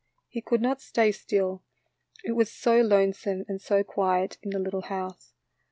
He could not stay still. It was so lonesome and so quiet in the little house.